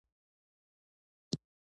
د کړکۍ ترمنځ دوړې وې.